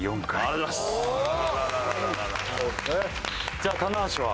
じゃあ棚橋は？